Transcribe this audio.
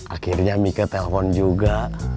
akhirnya mika telepon juga